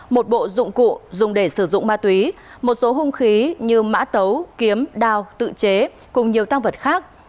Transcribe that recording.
một bộ dụng cụ dùng để sử dụng ma túy một số hung khí như mã tấu kiếm đao tự chế cùng nhiều tăng vật khác